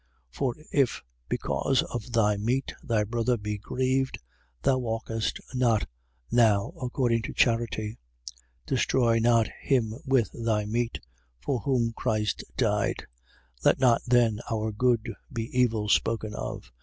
14:15. For if, because of thy meat, thy brother be grieved, thou walkest not now according to charity. Destroy not him with thy meat, for whom Christ died. 14:16. Let not then our good be evil spoken of.